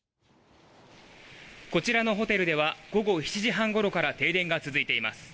こちらのホテルでは午後７時半ごろから停電が続いています。